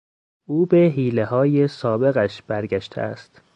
او به حیلههای سابقش برگشته است.